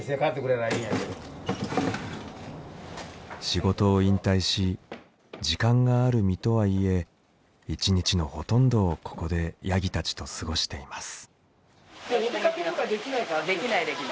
仕事を引退し時間がある身とはいえ一日のほとんどをここでヤギたちと過ごしています。